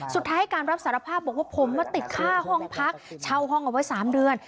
สุดท้ายให้การรับสารภาพบอกว่าผมมาติดค่าห้องพักเช่าห้องเอาไว้๓เดือน